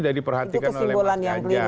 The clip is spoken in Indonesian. yang diperhatikan oleh mbak ganjar kan